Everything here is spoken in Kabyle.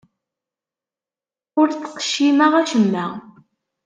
Ur ttqeccimeɣ acemma.